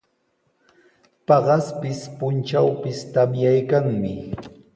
Paqaspis, puntrawpis tamyaykanmi.